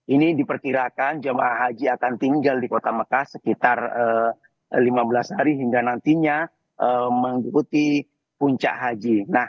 ini diperkirakan jemaah haji akan tinggal di kota mekah sekitar lima belas hari hingga nantinya mengikuti puncak haji